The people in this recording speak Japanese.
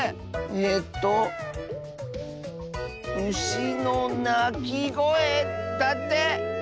えと「うしのなきごえ」だって！